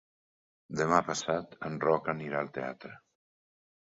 Demà passat en Roc anirà al teatre.